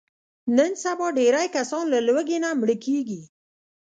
نن سبا ډېری کسان له لوږې نه مړه کېږي.